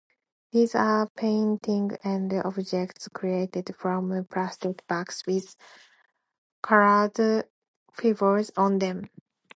These are paintings and objects created from plastic bags with colored fibers on them.